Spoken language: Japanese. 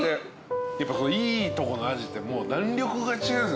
やっぱいいとこのアジってもう弾力が違う。